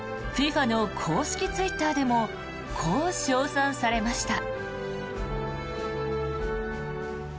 ＦＩＦＡの公式ツイッターでもこう称賛されました。